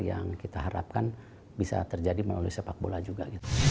yang kita harapkan bisa terjadi melalui sepak bola juga